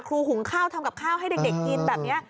หุงข้าวทำกับข้าวให้เด็กกินแบบนี้